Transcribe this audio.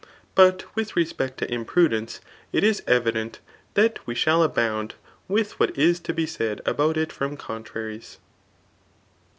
But with respect to impudence, it is evident that we shall abound with what is to be said about it from contraries.